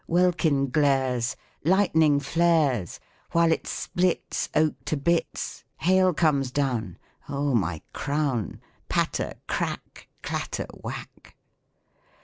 — Welkin glares — Liglitaing flares, While it splits Oak to bits — Hail comes down — Oh, my crown ! Patter crack ! Clatter whack